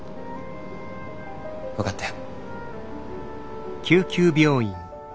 分かったよ。